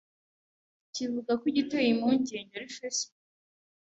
kivuga ko igiteye impungenge ari Facebook